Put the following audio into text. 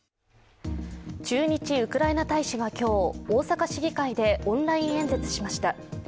駐日ウクライナ大使が今日、大阪市議会でオンライン演説しました。